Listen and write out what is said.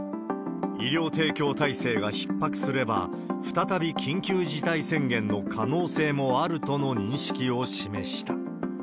医療提供体制がひっ迫すれば、再び緊急事態宣言の可能性もあるとの認識を示した。